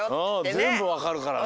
ぜんぶわかるからね。